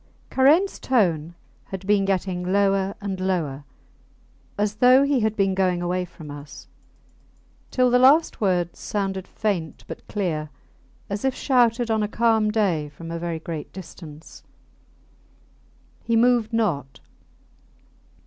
V Karains tone had been getting lower and lower, as though he had been going away from us, till the last words sounded faint but clear, as if shouted on a calm day from a very great distance. He moved not.